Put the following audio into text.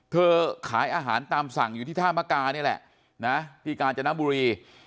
ขายอาหารตามสั่งอยู่ที่ท่ามกานี่แหละนะที่กาญจนบุรี